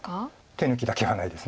手抜きだけはないです。